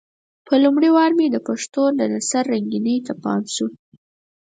په لومړي وار مې د پښتو د نثر رنګينۍ ته پام شو.